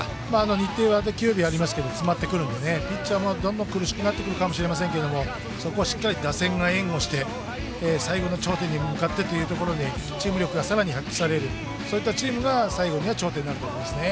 日程は、休養日ありますが詰まってくるのでピッチャーもどんどん苦しくなってくるかもしれませんけど、打線が援護して、最後の頂点に向かってということでチーム力がさらに発揮されるそういったチームが最後には頂点になると思いますね。